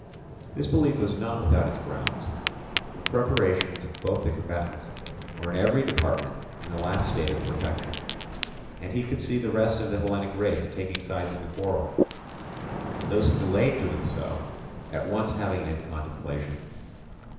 This belief was not without its grounds. The preparations of both the combatants were in every department in the last state of perfection; and he could see the rest of the Hellenic race taking sides in the quarrel; those who delayed doing so at once having it in contemplation.